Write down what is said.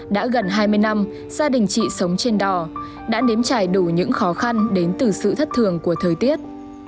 đã gần hai mươi năm gia đình chị sống trên đò đã nếm trải đủ những khó khăn đến từ sự thất thường của thời tiết